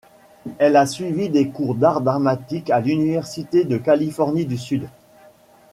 Elle a suivi des cours d'art dramatique à l'Université de la Californie du Sud.